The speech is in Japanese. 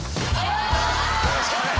よろしくお願いします。